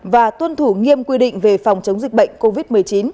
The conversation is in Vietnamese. và tuân thủ nghiêm quy định về phòng chống dịch bệnh covid một mươi chín